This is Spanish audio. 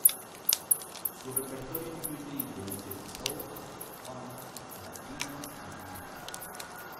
Su repertorio incluye influencias de Soul, Funk Latino y música Pop.